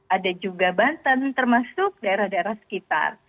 ada juga banten termasuk daerah daerah sekitar